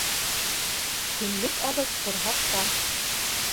Көнлөк аҙыҡ ҡорһаҡта